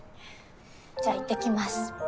じゃあいってきます。